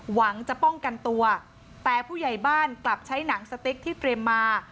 หวังจะป้องกันตัวแต่ผู้ใหญ่บ้านกลับใช้หนังสติ๊กที่เตรียมมา